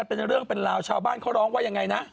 เป็นเรื่องเป็นราวชาวบ้านเขาร้องว่ายังไงนะ